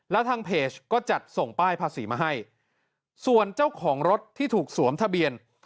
แล้วทางเพจก็จัดส่งป้ายภาษีมาให้ส่วนเจ้าของรถที่ถูกสวมทะเบียน